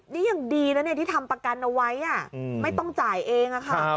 นี่ยังดีนะที่ทำประกันเอาไว้ไม่ต้องจ่ายเองค่ะ